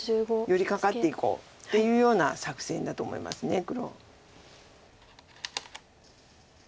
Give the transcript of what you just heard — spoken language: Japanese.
寄りかかっていこうっていうような作戦だと思います黒。